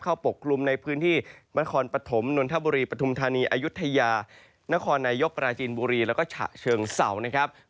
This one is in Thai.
ปกคลุมในพื้นที่นครปฐมนนทบุรีปฐุมธานีอายุทยานครนายกปราจีนบุรีแล้วก็ฉะเชิงเศร้านะครับ